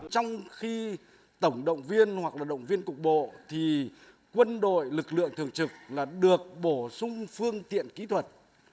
trong khi tổng động viên hoặc là động viên cục bộ thì quân đội lực lượng thường trực là được bổ sung phương tiện kỹ thuật